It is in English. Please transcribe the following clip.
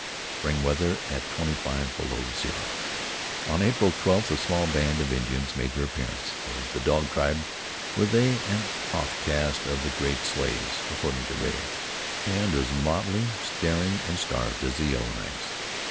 Spring weather at twenty five below zero! On April 12th a small band of Indians made their appearance. Of the Dog tribe were they, an offcast of the Great Slaves, according to Rea, and as motley, starring and starved as the Yellow Knives.